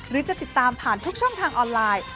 หรือจะติดตามผ่านทุกช่องทางออนไลน์